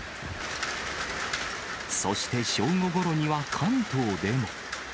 そして正午ごろには、関東でも。